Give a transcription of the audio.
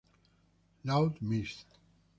Laud Misc.